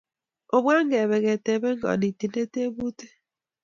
Opwan kebe ketebe kanetindet tyebutik